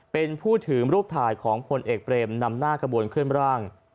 เป็นผู้ถือรูปถ่ายของพลเอกเบรมนำหน้ากระบวนเคลื่อนร่าง